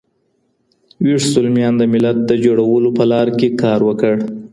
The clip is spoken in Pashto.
ويښ زلميانو د ملت د جوړولو په لاره کې کار وکړ.